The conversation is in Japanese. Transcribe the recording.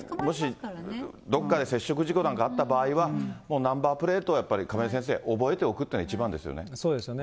どこかで接触事故とか遭った場合は、もうナンバープレートを亀井先生、覚えておくっていうのそうですね。